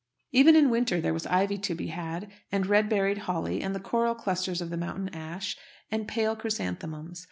Even in winter there was ivy to be had, and red berried holly, and the coral clusters of the mountain ash, and pale chrysanthemums.